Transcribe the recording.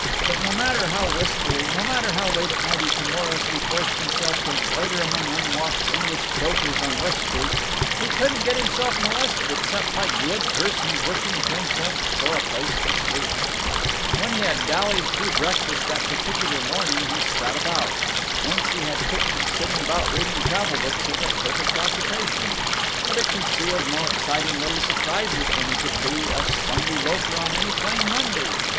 But no matter how wistfully, no matter how late at night he timorously forced himself to loiter among unwashed English stokers on West Street, he couldn't get himself molested except by glib persons wishing ten cents "for a place to sleep." When he had dallied through breakfast that particular morning he sat about. Once he had pictured sitting about reading travel books as a perfect occupation. But it concealed no exciting little surprises when he could be a Sunday loafer on any plain Monday.